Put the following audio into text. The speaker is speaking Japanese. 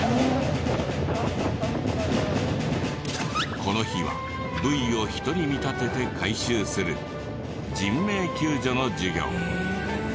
この日はブイを人に見立てて回収する人命救助の授業。